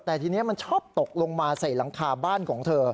แต่ทีนี้มันชอบตกลงมาใส่หลังคาบ้านของเธอ